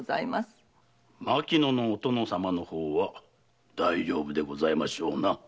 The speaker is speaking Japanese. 牧野のお殿様の方は大丈夫でございましょうな？